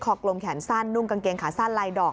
กลมแขนสั้นนุ่งกางเกงขาสั้นลายดอก